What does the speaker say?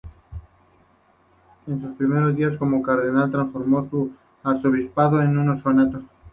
En sus primeros días como cardenal, transformó su arzobispado en un orfanato.